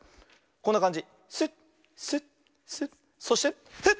こんなかんじ。